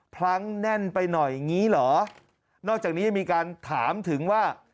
พลั้งแน่นไปหน่อยอย่างงี้เหรอนอกจากนี้ยังมีการถามถึงว่า